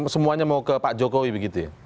semuanya mau ke pak jokowi begitu ya